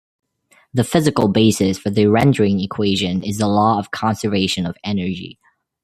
The physical basis for the rendering equation is the law of conservation of energy.